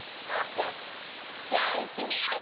じゃあいってみよう。